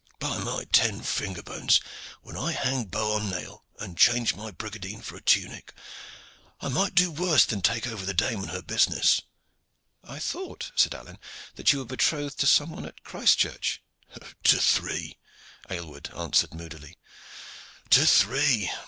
"By my ten finger bones! when I hang bow on nail and change my brigandine for a tunic, I might do worse than take over the dame and her business." "I thought," said Alleyne, "that you were betrothed to some one at Christchurch." "To three," Aylward answered moodily, "to three.